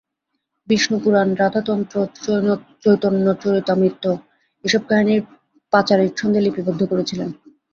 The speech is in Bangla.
বিষ্ণু পুরাণ, রাধাতন্ত্র, চৈতন্যচরিতামৃত এর কাহিনি পাঁচালীর ছন্দে লিপিবদ্ধ করেছিলেন।